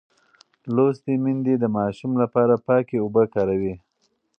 لوستې میندې د ماشوم لپاره پاکې اوبه کاروي.